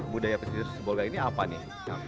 budaya pesisir sebolga ini apa nih